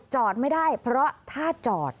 จอดไม่ได้เพราะถ้าจอด